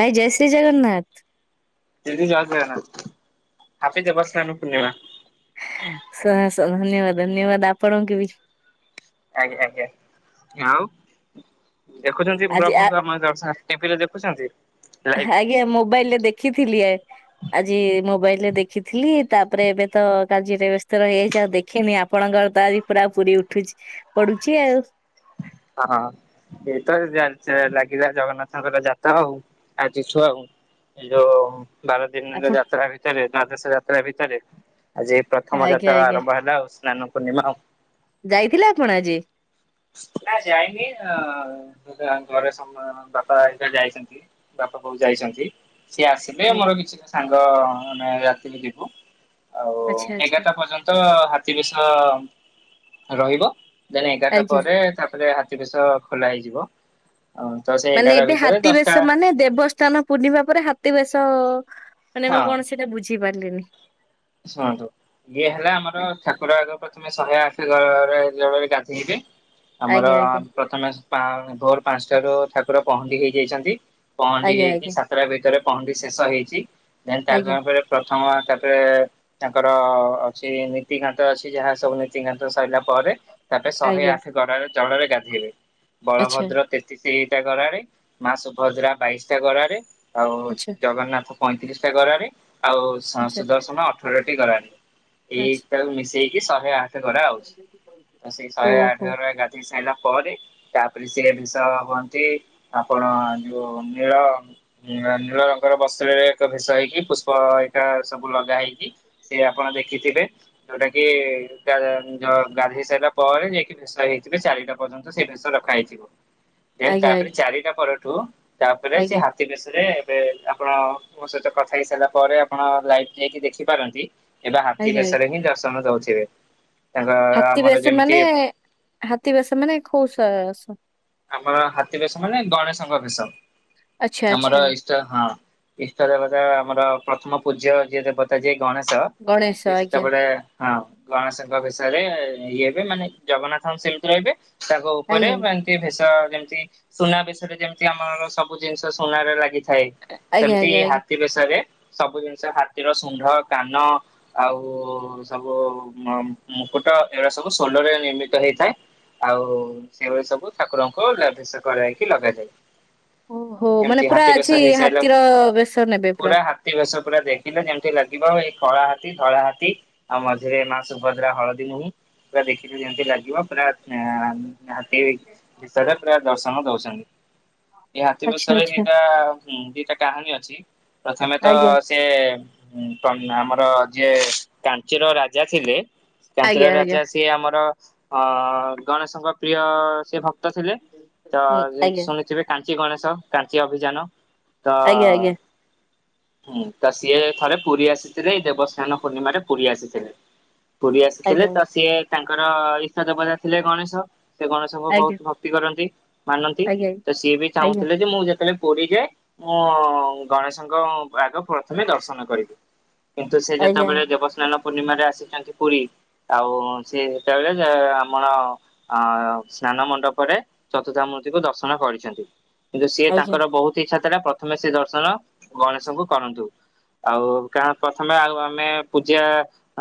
ଭାଇ ଜୟ ଶ୍ରୀ ଜଗନ୍ନାଥ। ଜି [unintelligible] ଜୟ ଜଗନ୍ନାଥ ହାପି ଜବାସ୍ନାନ ପୂର୍ଣ୍ଣିମା ହସ ଧନ୍ୟବାଦ ଧନ୍ୟବାଦ ଆପଣଙ୍କୁ ବି! ଆଜ୍ଞା ଆଜ୍ଞା ଆଉ ଦେଖୁଛନ୍ତି [unintelligible] ଆଜି ଆ ପ୍ରଭୁଙ୍କ ଆମ ଦରସ ଟିଭି ରେ ଦେଖୁଛନ୍ତି? ଲାଇଭ ହା ଆଜ୍ଞା ମୋବାଇଲ ରେ ଦେଖିଥିଲି ଆ! ଆଜି ମୋବାଇଲ ରେ ଦେଖିଥିଲି ତାପରେ ଏବେ ତ କାର୍ଯ୍ୟରେ ବ୍ୟସ୍ତ ରହିଯାଇଛି ଆଉ ଦେଖିନି ଆ ଆପଣଙ୍କର ତ ଆଜି ପୁରା ପୁରୀ ଉଠୁଛି ପଡୁଛି ଆଉ! ହଁ ହ ଏ ତ ଲାଗିଲା ଜଗନ୍ନାଥଙ୍କର ଯାତକ ହଉ ଆଜି ଛୁଆ ହଉ! ଏଇ ଯୋଉ ବାର ଦିନର ଆପଣ ଯାତ୍ରା ଭିତରେ ଦ୍ଵଦଶ ଯାତ୍ରା ଭିତରେ ଆଜି ପ୍ରଥମ ଆଜ୍ଞା ଯାତ୍ରା ଆଜ୍ଞା ଆରମ୍ଭ ହେଲା ଆଉ ସ୍ନାନ ପୂର୍ଣ୍ଣିମା ଆଉ! ଯାଇଥିଲେ ଆପଣ ଆଜି? ନା ଯାଇନି ଆ -ଘରେ ସମ -ବାପା ହରିକା ଯାଇଛନ୍ତି! ବାପା କୋଉ ଯାଇଛନ୍ତି ସିଏ ଆସିଲେ ମୋର ଆଜ୍ଞା କିଛିଟା ସାଙ୍ଗ ଆମେ ରାତିରେ ଯିବୁ! ଆଉ ଆଚ୍ଛା ଆଚ୍ଛା ଏଗାରଟା ପର୍ଯ୍ୟନ୍ତ ହାତୀ ବିଷ ରହିବ! ଦିନେ ଏଗାରଟା ଆଜ୍ଞା ପରେ ତାପରେ ହାତୀ ବେଶ ଖୋଲା ହେଇଯିବ ତ ସେ ମାନେ ଏଗାର ଏବେ ଭିତରେ ହାତୀ ଦଶଟା ବେଶ ମାନେ ଦେବ ସ୍ଥାନ ପୂର୍ଣ୍ଣିମା ପରେ ହାତୀ ବେଶ ମାନେ ହଁ ମୁଁ କୌଣସିଟା ବୁଝି ପାରିଲିନି! ଶୁଣନ୍ତୁ ଇଏ ହେଲା ଆମର ଠାକୁର ଆଗର ପ୍ରଥମେ ଶହେ [unintelligible] ଗା ଧେଇବେ ଆମର ଆଜ୍ଞା ଆଜ୍ଞା ପ୍ରଥମେ ଭୋର ପାଞ୍ଚଟାରୁ ଠାକୁର ପହଣ୍ଡି ହେଇ ଯାଇଛନ୍ତି ପହଣ୍ଡି ଆଜ୍ଞା ହେଇକି ଆଜ୍ଞା ସା ଯାତ୍ରା ଭିତରେ ପହଣ୍ଡି ଶେଷ ହେଇଛି ଦେନ୍ ଆଜ୍ଞା ତାପରେ ପ୍ରଥମ ତାପରେ ତାଙ୍କର ଅଛି ନୀତି ଘାଟ ଅଛି ଯାହା ସବୁ ନୀତି ଘାଟ ସରିଲା ପରେ ତାପରେ ଶହେ ଆଜ୍ଞା ଆଠ ଗଡାରେ ଜଳରେ ଗାଧୋଇବେ ଆଚ୍ଛା ବଳଭଦ୍ର ତିଶିଟା ଗରାରେ ମାସୁଭଦ୍ରା ବାଇସି ଟା ଗରାରେ ଆଉ ଆଚ୍ଛା ଜଗନ୍ନାଥ ପଇଁତିରିଶଟା ଗରାରେ ଆଉଶ ଆଚ୍ଛା ସୁଦର୍ଶନ ଅଠରଟି ଗରାରେ ଏଇ! ଆଚ୍ଛା। ତାକୁ ମିଶେଇକି ଶହେ ଆଠ ଗରା ଆଉଛି ତ ସେଇ ଶହେ ଆଠ ଓହୋ ଘର ଗା ଦେଇ ସାରିଲା ପରେ ତାପରେ ସିଏ ବିଷ ହୁଅନ୍ତି ଆପଣ ଯୋଉ ନୀଳ ନୀଳ ନୀଳ ରଙ୍ଗର ବସ୍ତ୍ରରେ ଏକ ଭେଷ ହେଇକି ପୁଷ୍ପ ଏଇଟା ସବୁ ଲଗା ହେଇକି ସେ ଆପଣ ଦେଖିଥିବେ ଯୋଉଟା କି ଗା ଧ ଗାଧୋଇ ସାରିଲା ପରେ ଯାଇକି ଭେଷ ହେଇଥିବ ଚାରିଟା ପର୍ଯ୍ୟନ୍ତ ସେ ବେଷ ରଖା ହେଇଥିବ! [unintelligible] ଦେନ୍ ତାପରେ ଚାରିଟା ପରଠୁ ତାପରେ ଆଜ୍ଞା ସେ ଆଜ୍ଞା ଆଜ୍ଞା ହା ତି ବେଶରେ ଏବେ ଆପଣ ମୋ ସହିତ କଥା ହେଇ ସାରିଲା ପରେ ଆପଣ ଲାଇଭ ଯାଇକି ଦେଖିବେ ପାରନ୍ତି ଏବେ ହାତୀ ଆଜ୍ଞା। ବେଶରେ ହିଁ ଦର୍ଶନ ଦଉଥିବେ! ତାଙ୍କ ହାତୀ ଆମର ବେଶ ଯେମିତି ମାନେ ହାତୀ ବେଶ ମାନେ ଖୋସସ? ଆମର ହାତୀ ବେଶ ମାନେ ଗଣେଶଙ୍କ ବେଶ ଆଚ୍ଛା ଆମର ଆଚ୍ଛା ଇଷ୍ଟ ହଁ ଇଷ୍ଟ ଦେବତା ଆମର ପ୍ରଥମ ପୂଜ୍ୟ ଯିଏ ଦେବତା ଯିଏ ଗଣେଶ ଗଣେଶ ସେ ଆଜ୍ଞା ସେତେବେଳେ ହଁ ଗଣେଶଙ୍କ ବିଷୟରେ ଇଏ ହେବେ ମାନେ ଜଗନ୍ନାଥଙ୍କ ସେମିତି ରହିବେ ତାଙ୍କ ଉପରେ ଆଜ୍ଞା ବା ତି ଭେଶ ଯେମିତି ସୁନା ଭେଶରେ ଯେମିତି ଆମର ସବୁ ଜିନିଷ ସୁନାରେ ଲାଗିଥାଏ! ଆଜ୍ଞା ସେମିତି ଆଜ୍ଞା ଆଜ୍ଞା। ହାତୀ ବେଶରେ ସବୁ ଜିନିଷ ହାତୀର ସୁଣ୍ଢ କାନ ଆଉ ସବୁ ମ - ମୁ ମୁକୁଟ ଏଇଗୁଡା ସବୁ ସୋଲରେ ପ୍ରିପା ହେଇଥାଏ ଆଉ ସେଇଭଳି ସବୁ ଠାକୁରଙ୍କୁ ଭେସ କରଇକି ଲଗାଯାଏ! ଓହୋ ମାନେ ଏମିତି ପୁରା ହାତୀ ବେଶ ଅଛି ହାତୀର ବେଶ ନେବେ ପୁରା? ତି ବେଶ ପୁରା ଦେଖିଲେ ଯେମିତି ଲାଗିବ ଏଇ କଳା ହାତୀ ଧଳା ହାତୀ ଆଉ ମଝିରେ ମା ସୁଭଦ୍ରା ହଳଦୀ ନୁହଁ, ପୁରା ଦେଖିଲି ଯେମତି ଲାଗିବ ପୁରା [unintelligible] ରାନ୍ଧିବେ ଭିସାକା ପ୍ରାୟ ଦର୍ଶନ ଦଉଛନ୍ତି, ଏଇ ହାତୀ ଆଚ୍ଛା ବିଷୟରେ ଆଚ୍ଛା ଦିଟା ହୁଁ, ଦିଟା କାହାଣୀ ଅଛି। ପ୍ରଥମେ ତ ଆଜ୍ଞା ସେ ଆମର ଯିଏ କାଞ୍ଚିର ରାଜା ଥିଲେ ଆଜ୍ଞା କାଞ୍ଚିର ଆଜ୍ଞା ରାଜା ସିଏ ଆମର ଅ ଗଣେଶଙ୍କ ପ୍ରିୟ ସେ ଭକ୍ କ୍ତ ଥିଲେ। ତ ହୁଁ ଯେ ଆଜ୍ଞା ଶୁଣିଥିବେ କାଞ୍ଚି ଗଣେଶ, କାଞ୍ଚି ଅଭିଯାନ ତ ହୁଁ, ତ ସିଏ ଥରେ ପୁରୀ ଆସିଥିଲେ ଏଇ ଦେବସ୍ନାନ ପୂର୍ଣ୍ଣିମାରେ ପୁରୀ ଆସିଥିଲେ। ପୁରୀ ଆଜ୍ଞା ଆଜ୍ଞା ଆସିଥିଲେ ତ ସିଏ ତାଙ୍କର ଇଷ୍ଟ ଦେବତା ଥିଲେ ଗଣେଶ, ସେ ଗଣେଶଙ୍କୁ ବହୁତ ଭକ୍ତି କରନ୍ତି ମାନନ୍ତି, ଆଜ୍ଞା ତ ସିଏ ବି ଚାହୁଁଥିଲେ ଯେ ମୁଁ ଯେତେବେଳେ ପୁରୀ ଯାଏ ମୁଁ ଗଣେଶଙ୍କ ଆଗ ପ୍ରଥମେ ଦର୍ଶନ କରିବି। କିନ୍ତୁ ସେ ଆଜ୍ଞା ଆଜ୍ଞା ଯେତେବେଳେ ଦେବସ୍ନାନ ପୂର୍ଣ୍ଣିମାରେ ଆସିଛନ୍ତି ପୁରୀ, ଆଉ ସେ ସେତେବେଳେ ଆମର ଅ ସ୍ନାନମଣ୍ଡପରେ ଚତୁର୍ଦ୍ଧାମୂର୍ତ୍ତିକୁ ଦର୍ଶନ କରିଛନ୍ତି। କିନ୍ତୁ ସିଏ ତାଙ୍କର ବହୁତ ତ ହି ଇଚ୍ଛା ଥିଲା, ପ୍ରଥମେ ସେ ଦର୍ଶନ ଗଣେଶଙ୍କୁ କରନ୍ତୁ। ଆଉ କାରଣ ପ୍ରଥମେ ଆଉ ଆମେ ପୂଜା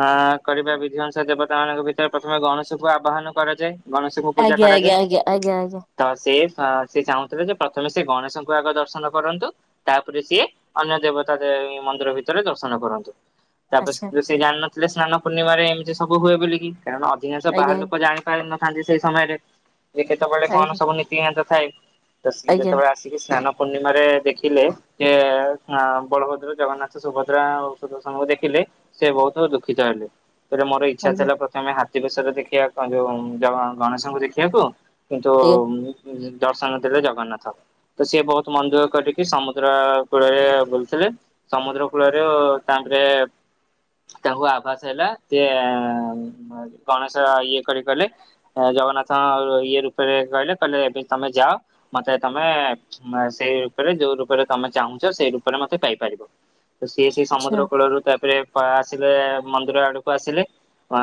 ଅ କରିବା ବିଧି ଅନୁସାରେ ଦେବତା ମାନଙ୍କ ଭିତରେ ପ୍ରଥମେ ଗଣେଶକୁ ଆବାହନ କରାଯାଏ। ଗଣେଶକୁ ଆଜ୍ଞା, ଆଜ୍ଞା, ଆଜ୍ଞା, ଆଜ୍ଞା, ଆଜ୍ଞା। ତ ସେ ସେ ଚାହୁଁଥିଲେ ଯେ, ପ୍ରଥମେ ସେ ଗଣେଶଙ୍କୁ ଆଗ ଦର୍ଶନ କରନ୍ତୁ ତାପରେ ସିଏ, ଅନ୍ୟ ଦେବତା ଦେବୀ ମନ୍ଦିର ଭିତରେ ଦର୍ଶନ କରନ୍ତୁ। ତାପରେ ସିଏ ଜାଣିନଥିଲେ ସ୍ନାନପୂର୍ଣ୍ଣିମାରେ ଏମତି ସବୁ ହୁଏ ବୋଲିକି, କାରଣ ଅଧିକାଂଶ ବାହାରଲୋକ ଜାଣି ଜାଣିନଥାନ୍ତି ସେଇ ସମୟରେ, ଯେ କେତେବେଳେ କଣ ସବୁ ନୀତିକାନ୍ତ ଥାଏ। ତ ସିଏ ଆଜ୍ଞା ଆଜ୍ଞା ଯେତେବେଳେ ଆସିକି ସ୍ନାନପୂର୍ଣ୍ଣିମାରେ ଦେଖିଲେ ସେ ବଳଭଦ୍ର, ଜଗନ୍ନାଥ, ସୁଭଦ୍ରା ଓ ସୁଦର୍ଶନକୁ ଦେଖିଲେ ସେ ବହୁତ ଦୁଃଖିତ ହେଲେ। ଏଥିରେ ମୋର ଇଚ୍ଛା ଥିଲା, ଆଜ୍ଞା ପ୍ରଥମେ ହାତୀ ବେଶରେ ଦେଖିବା କଣ ଯୋଉ ଗଣେଶଙ୍କୁ ଦେଖିବାକୁ କିନ୍ତୁ ଉମ୍ ଦର୍ଶନ ଦେଲେ ଜଗନ୍ନାଥ। ତ ସିଏ ବହୁତ ମନ ଦୁଃଖ କଲେ କି ସମୁଦ୍ରକୂଳରେ ବୁଲୁଥିଲେ ସମୁଦ୍ରକୂଳରୁ ତାଙ୍କରେ ତାଙ୍କୁ ଆଭାସ ହେଲା, ସିଏ ଗଣେଶ ଇଏ କରି କଲେ ଜଗନ୍ନାଥଙ୍କ ଇଏ ରୂପରେ କହିଲେ, କହିଲେ ଏବେ ତମେ ଯାଅ ମତେ ତମେ ସେଇ ରୂପରେ ଯୋଉ ରୂପରେ ତମେ ଚାହୁଁଛ, ସେଇ ରୂପରେ ମତେ ପାଇପାରିବ। ତ ସିଏ ସେଇ ଆଚ୍ଛା ସମୁଦ୍ରକୂଳରୁ ତାପରେ ପା ଆସିଲେ ମନ୍ଦିର ଆଡକୁ ଆସିଲେ, ଅ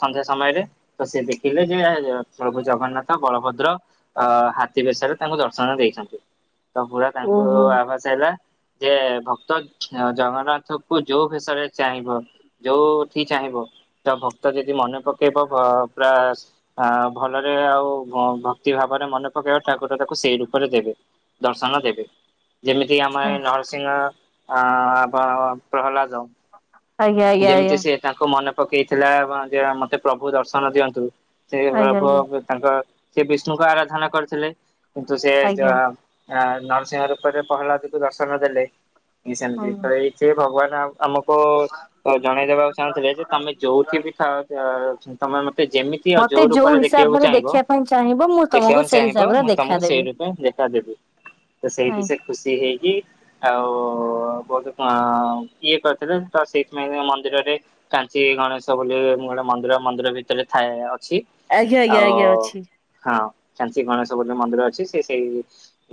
ସନ୍ଧ୍ୟା ସମୟରେ ତ ସିଏ ଦେଖିଲେ ଜୟ ଜଗତ ପ୍ରଭୁ ଜଗନ୍ନାଥ, ବଳଭଦ୍ର ଅ ହାତୀ ବେଶରେ ତାଙ୍କୁ ଦର୍ଶନ ଦେଇଛନ୍ତି, ତ ପୁରା ତାଙ୍କୁ ଓହୋ ଆବା ଭାସ ହେଲା ଯେ, ଭକ୍ତ ଜଗନ୍ନାଥକୁ ଯୋଉ ଭେଶରେ ଚାହିଁବ ଯୋଉଠି ଚାହିଁବ ତ ଭକ୍ତ ଯଦି ମନେ ପକେଇବ, ପ-ପୁରା ଅ ଭଲରେ ଆଉ ଭକ୍ ଭକ୍ତି ଭାବରେ ମନେ ପକେଇବ, ଠାକୁର ତାକୁ ସେଇ ରୂପରେ ଦେବେ, ଦର୍ଶନ ଦେବେ। ଯେମିତିକି ଆମ ଆଚ୍ଛା ଆରେ ନରସିଂହ ଅଁ ପ୍ରହ ପ୍ରହଲ୍ଲାଦ ହ ଯେମିତି ସେ ତାଙ୍କୁ ମନେ ପକେଇଥିଲା, ଯେ ମତେ ପ୍ରଭୁ ଦର୍ଶନ ଦିଅନ୍ତୁ ସେ ଆଜ୍ଞା ପ୍ର-ପ୍ରଭୁ ତାଙ୍କ ସେ ବିଷ୍ଣୁଙ୍କ ଆରାଧନା କରିଥିଲେ, କିନ୍ତୁ ସେ ଯ ଆଜ୍ଞା ଆଜ୍ଞା ଆ ନରସିଂହ ରୂପରେ ପ୍ରହଲ୍ଲାଦକୁ ଦର୍ଶନ ଦେଲେ, ସେମତି ଆଜ୍ଞା। ଥରେ ସିଏ ଭଗବାନ ଆମ-ଆମକୁ ଜଣେଇଦବାକୁ ଚାହୁଁଥିଲେ, ଯେ ତମେ ଯୋଉଠି ବି ଥାଅ ତମେ ମତେ ଯେମିତି ମତେ ଯୋଉ ରୂପରେ ଦେଖିବାକୁ ହିସାବରେ ଚାହିଁବ, ଦେଖିବା ପାଇଁ ଚାହିଁବ ମୁଁ ତମକୁ ଦେଖିବାକୁ ସେଇ ଚାହିଁବ, ହିସାବରେ ମୁଁ ତମକୁ ସେଇ ଦେଖାଦେବି। ରୂପ ଦେଖାଦେବି। ତ ସେଇଠି ନାଇଁ ସେ ଖୁସି ହେଇକି ଆଉ ବହୁତ୍ କ କିଏ କରିଥିଲେ ତ ସେ ମେ ମନ୍ଦିରରେ କାଞ୍ଚି ଗଣେଶ ବୋଲି ଗୋଟେ ମନ୍ଦିର ମନ୍ଦିର ଭିତରେ ଥାଏ ଅଛି। ଆଜ୍ଞା ଆଜ୍ଞା ଆଉ ଆଜ୍ଞା ଅଛି ହଁ କାଞ୍ଚି ଗଣେଶ ଗୋଟେ ମନ୍ଦିର ଅଛି ସେ ସେଇ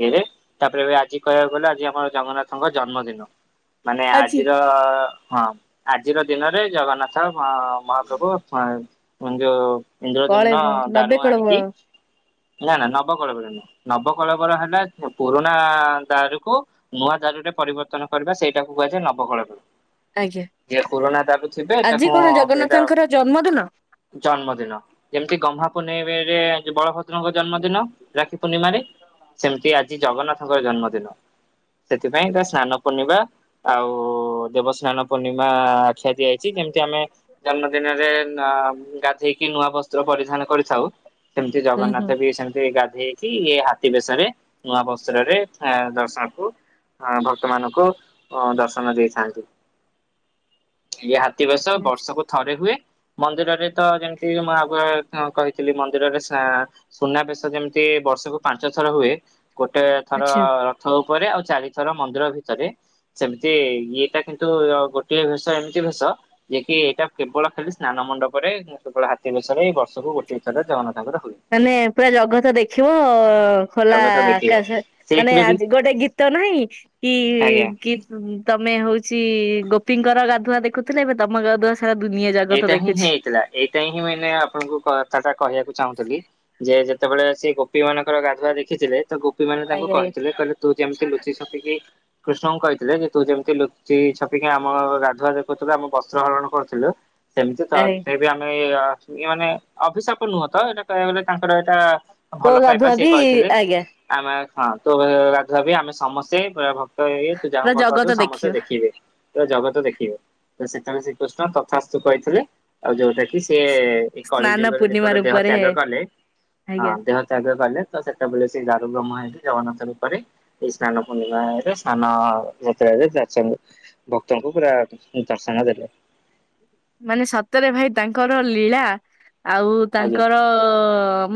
ଏରେ ତାପରେ ବି ଆଜି କହିବାକୁ ଗଲେ ଆଜି ଆମ ଜଗନ୍ନାଥଙ୍କ ଜନ୍ମଦିନ। ମାନେ ଆଜି ଆଜିର ହଁ ଆଜିର ଦିନରେ ଜଗନ୍ନାଥ ବ ମହାପ୍ରଭୁ ହଁ ଯୋଉ ଇନ୍ଦ୍ରଦ୍ୟୁମ୍ନ କଳେବ ଦାରୁ ନବେ କଳେବର ଆଣିକି ନା ନା ନବକଳେବର ନୁ ନବକଳେବର ହେଲା ପୁରୁଣା ଦାରୁକୁ ନୂଆଁ ଦାରୁରେ ପରିବର୍ତ୍ତନ କରିବା ସେଇଟାକୁ କୁହାଯାଏ ନବକଳେବର। ଆଜ୍ଞା। ଯିଏ ପୁରୁଣା ଦାରୁ ଥିବେ ଆଜି ତାକୁ କଣ ସେଇଟା ଜଗନ୍ନାଥଙ୍କର ଜନ୍ମଦିନ? ଜନ୍ମଦିନ ଯେମିତି ଗହ୍ମା ପୁନେଇଁ ରେ ରେ ବଳଭ ଦ୍ରଙ୍କ ଜନ୍ମଦିନ ରାକ୍ଷୀ ପୂର୍ଣ୍ଣିମାରେ ସେମିତି ଆଜି ଜଗନ୍ନାଥଙ୍କ ଜନ୍ମଦିନ। ସେଥିପାଇଁ ତା ସ୍ନାନ ପୂର୍ଣ୍ଣିମା ଆଉ ଦେବସ୍ନାନ ପୂର୍ଣ୍ଣିମା ଖ୍ୟା ଦିଆଯାଇଛି କେମିତି ଆମେ ଜନ୍ମଦିନରେ ନ ଗାଧେଇକି ନୂଆ ବସ୍ତ୍ର ପରିଧାନ କରିଥାଉ। ସେମିତି ହୁଁ ହୁଁ। ଜଗନ୍ନାଥ ବି ସେମିତି ଗାଧେଇକି ହାତୀ ବେଶରେ ନୂଆ ବସ୍ତ୍ରରେ ଆ ଦର୍ଶକୁ ଅ ଭକ୍ତମାନଙ୍କୁ ଅ ଦର୍ଶନ ଦେଇଥାନ୍ତି। ଇଏ ହାତୀ ବେଶ ବର୍ଷକୁ ଥରେ ହୁଏ ମନ୍ଦିରରେ ତ ଯେମିତି ମୁଁ ଆଗୁଆ ଉଁ କହି ଥିଲି ମନ୍ଦିରରେ ସ୍ନା ସୁନାବେଶ ଯେମିତି ବର୍ଷକୁ ପାଞ୍ଚ ଥର ହୁଏ ଗୋଟେ ଥର ର ଆଚ୍ଛା। ରଥ ଉପରେ ଆଉ ଚାରିଥର ମନ୍ଦିର ଭିତରେ ସେମିତି ଇଏଟା କିନ୍ତୁ ଗୋଟିଏ ସ ତ ଏମିତି ଭେଶ ଯିଏ କିି ଏଇଟା କେବଳ ଖାଲି ସ୍ନାନ ମଣ୍ଡପରେ କେବଳ ହାତୀ ବେଶରେ ଏଇ ବର୍ଷକୁ ଗୋଟଏ ଥର ଜଗନ୍ନାଥଙ୍କର ହୁଏ। ମାନେ ପୁରା ଜଗତ ଦେଖିବ ଖୋଲା ଜଗତ ଦେଖିବ ଆକାଶ ମାନେ ସେଇଥିରେ ବି ଆଜି ଗୋଟେ ଗୀତ ନାହିଁ କି ଆଜ୍ଞା। ଗି ଉଁ ତମେ ହଉଛି ଗୋପୀଙ୍କର ଗାଧୁଆ ଦେଖୁଥିଲେ ଏବେ ତମ ଗାଧୁଆ ସ ସାରା ଦୁନିଆଁ ଜାଗତ ଏଇଟା ହିଁ ଦେଖୁଛି। ହେଇଥିଲା ଏଇଟା ହିଁ ମାନେ ଆପଣଙ୍କୁ କଥାଟା କହିବାକୁ ଚାହୁଁଥିଲି ଯେ ଯେତେବେଳେ ସେ ଗୋ ଗୋପୀ ମାନଙ୍କର ଗାଧୁଆ ଦେଖିଥିଲେ ତ ଗୋପୀ ମାନେ ତାଙ୍କୁ ଆଜ୍ଞା ଆଜ୍ଞା କହିଥିଲେ କହିଲେ ତୁ ଯେମିତି ଲୁଚି ଛପିକି କୃଷ୍ଣଙ୍କୁ କହିଥିଲେ ଯେ ତୁ ଯେମିତି ଲୁଚି ଛପିକି ଆମ ଗାଧୁଆ ଦେଖୁଥିଲୁ ଆମ ବସ୍ତ୍ର ହରଣ କରୁଥିଲୁ ସେମିତି ଆଜ୍ଞା ତତେ ବି ଆମେ ଅ ଏ ମାନେ ଅଭିଶାପ ନୁହଁ ତ ଏଇଟା କହିବାକୁ ଗଲେ ତାଙ୍କର ଏଇଟା ତୋ ଭଲ ପାଇବା ଗାଧୁଆ ସେ ବି କହିଥିଲେ ଆଜ୍ଞା ଆମେ ହଁ ତୋ ଗାଧୁଆ ବି ଆମେ ସମସ୍ତେ ବେ ଭ ଏ ତୁ ଯାହା କୁ ପୁରା ଭଲ ଜଗତ ପାଉଥିବୁ ସମସ୍ତେ ଦେଖିବ। ଦେଖିବେ ତ ଜଗତ ଦେଖିବ ତ ସେତେବେଳେ ଶ୍ରୀକୃଷ୍ଣ ତଥାସ ତୁ କହିଥିଲେ ଆଉ ଯୋଉଟା କି ସେ ଏଇ କଳି ସ୍ନାନ ଯୁଗରେ ପୂର୍ଣ୍ଣିମା ଯେତେବେଳେ ଦେହ ରୂପରେ ତ୍ୟାଗ କଲେ ହଁ ଆଜ୍ଞା ଦେହ ତ୍ୟାଗ କଲେ ତ ସେତବେଳେ ସେ ଦାରୁ ବ୍ରହ୍ମ ହେଇକି ଜଗନ୍ନାଥ ରୂପରେ ଏଇ ସ୍ନାନ ପୂର୍ଣ୍ଣିମାରେ ସ୍ନାନ ଯାତ୍ରାରେ ଯାଛନ୍ତି। ଭକ୍ତଙ୍କୁ ପୁରା ଦର୍ଶନ ଦେଲେ। ମାନେ ସତରେ ଭାଇ ତାଙ୍କର ଲୀଳା ଆଉ ଆଜ୍ଞା ତାଙ୍କର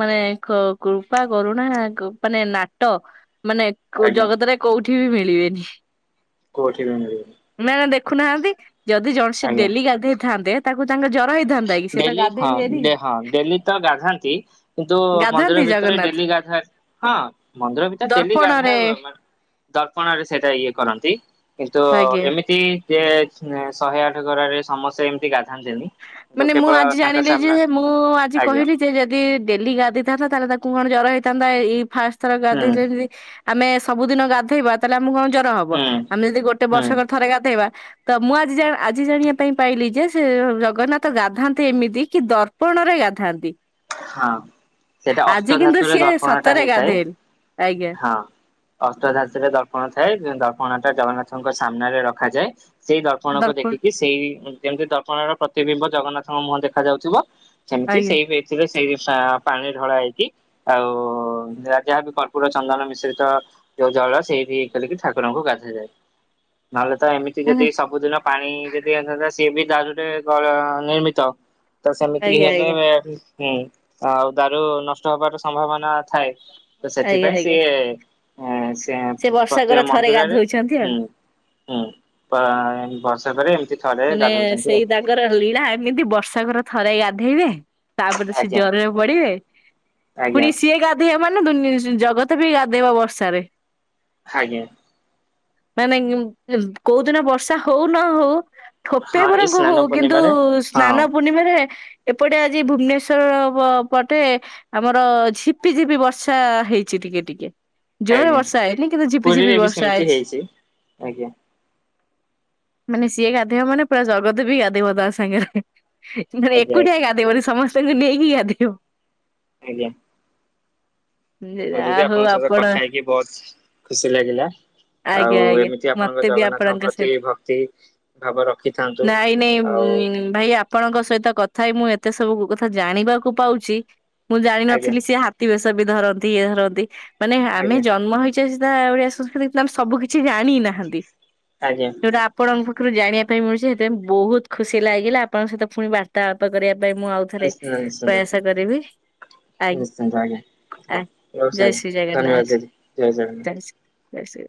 ମାନେ କ କୃପା, କରୁଣା କୁ ମାନେ ନାଟ ମାନେ କୋ ଆଜ୍ଞା ଜଗତରେ କୋଉଠି ବି ମିଳିବେନି। କେଉଠି ବି ମିଳିବେନି। ନା ନା ଦେଖୁ ନାହାଁନ୍ତି ଯଦି ଜଣେ ସେ ଆଜ୍ଞା ଡେଲି ଗାଧେଇଥାନ୍ତେ ତାକୁ ତାଙ୍କ ଜର ହେଇ ଡେଲି ହଁ ଡେ ହଁ ଡେଲି ତ ଗାଧାନ୍ତି କିନ୍ତୁ ମନ୍ଦିର ଗାଧାନ୍ତି ଭିତରେ ଜଗନ୍ନାଥ ଡେଲି ଗାଧା ହଁ ମନ୍ଦିର ଭିତରେ ଡେଲି ଦର୍ପଣରେ ଗାଧା ହୁଏ ମାନେ। ଦର୍ପଣ ରେ ସେଟା ଇଏ କରନ୍ତି କିନ୍ତୁ ଆଜ୍ଞା। ଏମିତି କେ ଚ ଶହେ ଆଠ ଗରା ରେ ସମସ୍ତେ ଏମିତି ଗାଧାନ୍ତିନୀ। ମାନେ ମୁଁ ଆଜି ଜାଣିଲି ଯେ ମୁଁ ଆଜି ଆଜ୍ଞା କହିଲି ସେ ଯଦି ଡେଲି ଗାଧେଇଥାନ୍ତା ତାହେଲେ ତାଙ୍କୁ କଣ ଜ୍ୱର ହେଇଥାନ୍ତା ଏଇ ଫାଷ୍ଟ ଥର ହୁଁ ଗାଧେଇଲେଯେ ଆମେ ସବୁଦିନ ଗାଧେଇବା ତାହେଲେ ଆମକୁ କଣ ଜର ହବ ହୁଁ ଆମେ ଯଦି ଗୋଟେ ହୁଁ ବର୍ଷକରେ ଥରେ ଗାଧେଇବା ତ ମୁଁ ଆଜି ଜା-ଜାଣିବା ପାଇଁ ପାଇଲି ଯେ ସେ ଜଗନ୍ନାଥ ଗାଧାନ୍ତି ଏମିତି କି, ଦର୍ପଣରେ ଗାଧାନ୍ତି। ହଁ। ସେଇଟା ଆଜି କିନ୍ତୁ ଅଷ୍ଟଧାତୁରେ ସିଏ ଦର୍ପଣ ଟା ସତରେ ହେଇଥାଏ ଗାଧେଇଲେ, ଆଜ୍ଞା। ହଁ ଅଷ୍ଟଧାତୁରେ ଦର୍ପଣ ଥାଏ। ଦର୍ପଣ ଟା ଜଗନ୍ନାଥଙ୍କ ସାମ୍ନାରେ ରଖାଯାଏ ସେଇ ଦର୍ପଣକୁ ଦର୍ପଣ ଦେଖିକି, ସେଇ ଯେମିତି ଦର୍ପଣ ର ପ୍ରତିବିମ୍ବ ଜଗନ୍ନାଥଙ୍କ ମୁହଁ ଦେଖା ଯାଉଥିବ। ସେମିତି ଆଜ୍ଞା ସେଇ ବେଚ୍ ରେ ସେଇ ସା ପାଣି ଢଳା ହେଇକି ଆଉ ଯାହା ଯାହା ବି କ ପୁରା ଚନ୍ଦନ ମିଶ୍ରିତ ଯୋଉ ଜଳ ସେଇଠି କଲିକି ଠାକୁରଙ୍କୁ ଗାଧାଯାଏ। ନହେଲେ ତ ଏମିତି ତି, ମାନେ ଯଦି ସବୁଦିନ ପାଣି ଯଦି ଆସନ୍ତା ସିଏ ବି ତା ସହିତ ଜଳ ନିର୍ମିତ। ତ ସେମିତି ଆଜ୍ଞା ହେଲେ ଆଜ୍ଞା ହୁଁ ଆଉ ଦାରୁ ନଷ୍ଟ ହବାର ସମ୍ଭାବନା ଥାଏ। ତ ଆଜ୍ଞା ସେଥିପାଇଁ ଆଜ୍ଞା ସିଏ ସେ ବର୍ଷକରେ ପ୍ରତେକ ଥରେ ମନ୍ଦିରରେ, ଗାଧଉଛନ୍ତି ଆଉ। ହୁଁ। ହୁଁ, ପା ବର୍ଷକ ରେ ଏମିତି ଥରେ ମାନେ ଗାଧଉଛନ୍ତି ଆଉ ସେଇ ତାଙ୍କର ଲୀଳା ଏମିତି ବର୍ଷା କରେ ଥରେ ଗାଧେଇବେ। ତାପରେ ସିଏ ଆଜ୍ଞା ଜରରେ ପଡିବେ। ଆଜ୍ଞା ଫୁଣି ସିଏ ଗା ଦିଅ ମାନେ ଦୁର୍ନୀତି ବି ଜଗତବି ଗାଧେଇବ ବର୍ଷାରେ ଆଜ୍ଞା। ନା ନାଇ କୋଉଦିନ ବର୍ଷା ହୋଉ ନ ହୋଉ-' ଠୋପେ ହଁ ଏଇ ବରଂ ସ୍ନାନ ହୋଉ କିନ୍ତୁ ପୂର୍ଣ୍ଣିମାରେ ହଁ ସ୍ନାନ ପୂର୍ଣ୍ଣିମାରେ ଏପଟେ ଆଜି ଭୁବନେଶ୍ଵ ବ ପଟେ ଆମର ଝିପି, ଝିପି ବର୍ଷା ହେଇଛି ଟିକେ, ଟିକେ ଜୋରେ ଆଜ୍ଞା ବର୍ଷା ହେଇନି କିନ୍ତୁ ଝିପିଝିପି ପୁରୀରେ ବି ବର୍ଷା ସେମିତି ହେଇଛି। ଆଜ୍ଞା ମାନେ ସିଏ ଗାଧେଇବ ମାନେ ପୁରା ଜଗତ ବି ଗାଧେଇବ ତା ସାଙ୍ଗରେ। ମାନେ ଆଜ୍ଞା ଏକୁଟିିଆ ଆଜ୍ଞା ଗାଧେଇବନି ସମସ୍ତଙ୍କୁ ନେଇକି ଗାଧେଇବ। ଆଜ୍ଞା। ହୋଉ ଯା ଦିଦି ହଉ ଆପଣଙ୍କ ସହିତ ଆପଣ କଥା ହେଇକି ବୋହୁତ୍ ଖୁସି ଲାଗିଲା। ଆଜ୍ଞା ଆଉ ଆଜ୍ଞା ଏମିତି ଆପଣଙ୍କ ମତେ ବି ଜଗନ୍ନାଥଙ୍କ ଆପଣଙ୍କ ପ୍ରତି ସହିତ ଭକ୍ତି ଭାବ ରଖିଥାନ୍ତୁ ନାଇଁ ନାଇଁ ଆଉ ଭାଇ ଆପ ଆପଣଙ୍କ ସହିତ କଥା ହେଇ ମୁଁ ଏତେ ସବୁ କଥା ଜାଣିବାକୁ ପାଉଛି। ମୁଁ ଆଜ୍ଞା ଜାଣିନଥିଲି ସେ ହା ଟି ବେଶ ବି ଧରନ୍ତି, ଇଏ ଧରନ୍ତି ମାନେ ଆମେ ଆଜ୍ଞା ଜନ୍ମ ହେଇଛେ ସିଧା ଓଡିଆ ସଂସ୍କୃତି ମ୍ୟାମ୍ ସବୁ କିଛି ଜାଣି ନାହାନ୍ତି। ଆଜ୍ଞା ଯୋଉଟା ଆପଣଙ୍କ ପାଖରୁ ଜାଣିବା ପାଇଁ ମିଳୁଛି, ସେଥିପାଇଁ ବୋହୁତ୍ ଖୁସି ଲାଗିଲା। ଆପଣଙ୍କ ସହିତ ଫୁଣି ବାର୍ତାଳାପ କରିବା ପାଇଁ ମୁଁ ଆଉ ଥରେ ନିଶ୍ଚିନ୍ତ ନିଶ୍ଚିନ୍ତ ପ୍ରୟାସ କରିବି। ଆ, ନିଶ୍ଚିନ୍ତ ଆଜ୍ଞା। ଆ ହଉ ରହୁଛି ଜୟ ଆଜ୍ଞା ଶ୍ରୀ ଧନ୍ୟବାଦ ଜଗନ୍ନାଥ। ଦିଦି ଜଗନ୍ନାଥ। ଜୟ ଶ୍ରୀ ଜୟ ଶ୍ରୀ